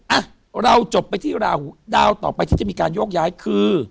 อ่ะเราจบไปที่ราหูดาวต่อไปที่จะมีการโยกย้ายคือ